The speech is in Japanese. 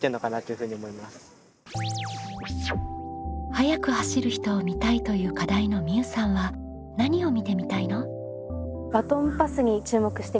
「速く走る人を見たい」という課題のみうさんは何を見てみたいの？